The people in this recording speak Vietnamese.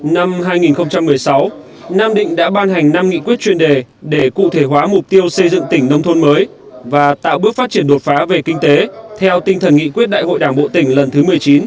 năm hai nghìn một mươi sáu nam định đã ban hành năm nghị quyết chuyên đề để cụ thể hóa mục tiêu xây dựng tỉnh nông thôn mới và tạo bước phát triển đột phá về kinh tế theo tinh thần nghị quyết đại hội đảng bộ tỉnh lần thứ một mươi chín